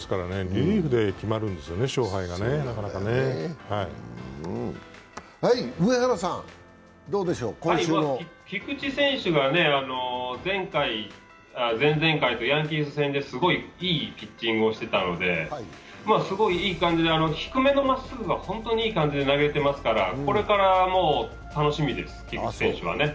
リリーフで決まるんですね、勝敗が菊池選手が前回、前々回とヤンキース戦ですごい、いいピッチングをしてたので、すごいいい感じで、低めの真っ直ぐが本当にいい感じで投げてますからこれからもう楽しみです、菊池選手はね。